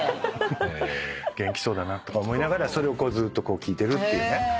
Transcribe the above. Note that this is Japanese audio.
元気そうだなとか思いながらそれをずっと聴いてるっていうね。